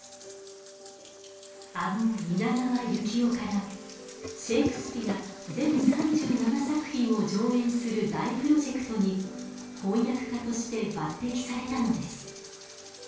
あの蜷川幸雄からシェイクスピア全３７作品を上演する大プロジェクトに翻訳家として抜てきされたのです。